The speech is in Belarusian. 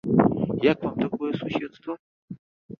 Як вам такое суседства?